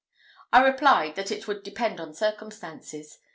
I replied that it would depend on circumstances.